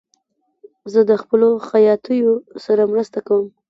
زه د خپلو خیاطیو سره مرسته کوم.